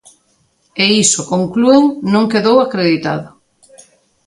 E iso, conclúen, non quedou "acreditado".